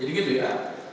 jadi gitu ya